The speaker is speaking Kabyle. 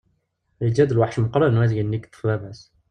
Yeǧǧa-d lweḥc meqqren wadeg-nni yeṭṭef baba-s.